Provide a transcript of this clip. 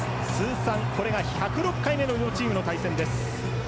通算これが１０６回目の両チームの対戦です。